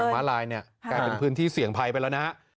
ม้าลายเนี่ยกลายเป็นพื้นที่เสี่ยงภัยไปแล้วนะฮะ